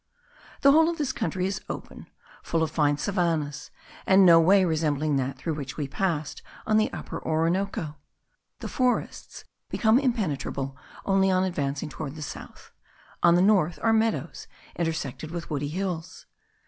The whole of this country is open, full of fine savannahs, and no way resembling that through which we passed on the Upper Orinoco. The forests become impenetrable only on advancing toward the south; on the north are meadows intersected with woody hills.